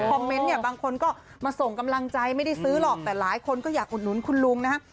เมนต์เนี่ยบางคนก็มาส่งกำลังใจไม่ได้ซื้อหรอกแต่หลายคนก็อยากอุดหนุนคุณลุงนะฮะ